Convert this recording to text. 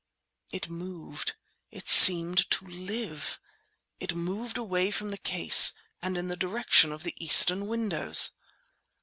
It moved—it seemed to live! It moved away from the case and in the direction of the eastern windows.